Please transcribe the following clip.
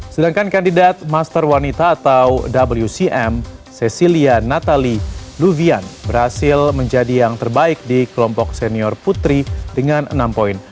sedangkan kandidat master wanita atau wcm cecilia natali luvian berhasil menjadi yang terbaik di kelompok senior putri dengan enam poin